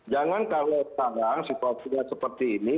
jangan kalau sekarang situasinya seperti ini